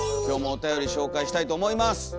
今日もおたより紹介したいと思います。